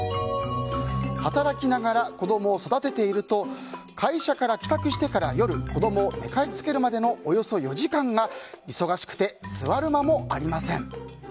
働きながら子供を育てていると会社から帰宅してから夜、子供を寝かしつけるまでのおよそ４時間が忙しくて座る間もありません。